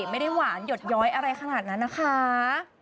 ไม่ได้หวานหยดย้อยอะไรขนาดนั้นนะคะ